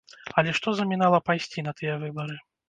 Але што замінала пайсці на тыя выбары?